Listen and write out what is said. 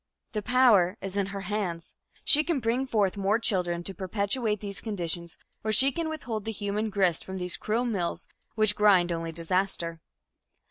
The power is in her hands. She can bring forth more children to perpetuate these conditions, or she can withhold the human grist from these cruel mills which grind only disaster.